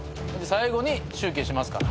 最後に集計しますから。